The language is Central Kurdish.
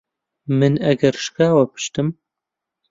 من ئەگەر شکاوە پشتم